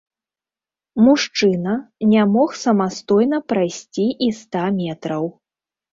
Мужчына не мог самастойна прайсці і ста метраў.